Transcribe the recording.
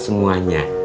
kamu yang menata semuanya